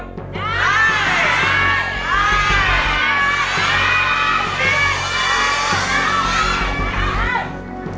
ได้